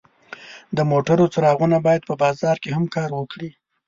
د موټرو څراغونه باید په باران کې هم کار وکړي.